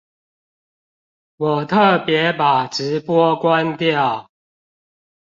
我特別把直播關掉